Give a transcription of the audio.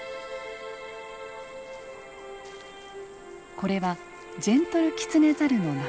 これはジェントルキツネザルの仲間。